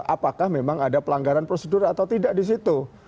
apakah memang ada pelanggaran prosedur atau tidak di situ